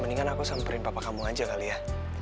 mendingan aku samperin papa kamu aja kali ya